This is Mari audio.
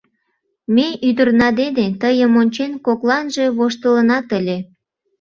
Ме ӱдырна дене, тыйым ончен, кокланже воштылынат ыле.